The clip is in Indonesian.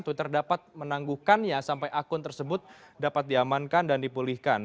twitter dapat menangguhkannya sampai akun tersebut dapat diamankan dan dipulihkan